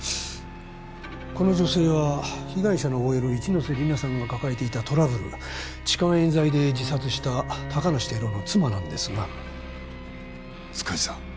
この女性は被害者のＯＬ一ノ瀬利奈さんが抱えていたトラブル痴漢えん罪で自殺した高梨輝夫の妻なんですが塚地さん